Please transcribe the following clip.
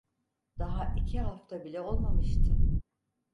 Daha iki hafta bile olmamıştı.